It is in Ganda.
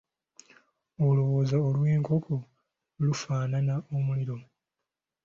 Oluwonzi lw'enkoko lufaanana omuliro.